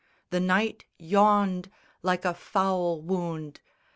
The night yawned Like a foul wound.